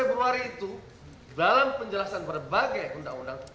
di tanggal sebelas februari itu dalam penjelasan berbagai undang undang